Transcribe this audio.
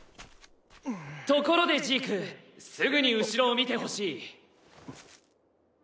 ところでジークすぐに後ろを見てほしい。